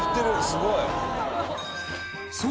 すごい！」